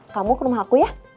kamu ke rumah aku ya